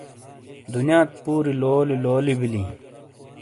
دنیات پوری لولی لولی بیلی